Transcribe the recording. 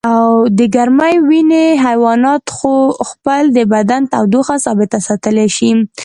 د ګرمې وینې حیوانات خپل د بدن تودوخه ثابته ساتلی شي